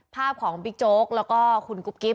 ภาพของบิ๊กโจ๊กแล้วก็คุณกุ๊บกิ๊บ